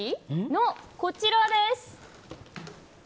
の、こちらです。